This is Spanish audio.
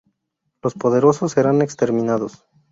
Los poderosos serán exterminados.